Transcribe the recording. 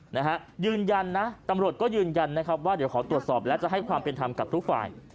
นะฮะยืนยันนะตำรวจก็ยืนยันนะครับว่าเดี๋ยวขอตรวจสอบและจะให้ความเป็นธรรมกับทุกฝ่าย